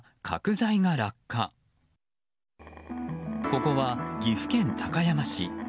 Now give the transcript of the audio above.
ここは岐阜県高山市。